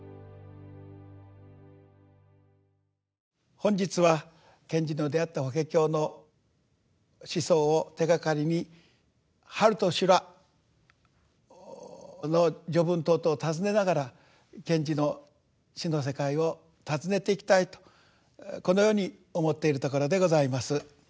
本日は賢治の出会った「法華経」の思想を手がかりに「春と修羅」の序文等々を訪ねながら賢治の詩の世界を訪ねていきたいとこのように思っているところでございます。